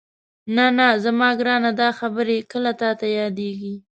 نه نه زما ګرانه دا خبرې کله تاته یادېږي؟